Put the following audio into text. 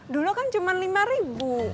dulu kan cuma lima ribu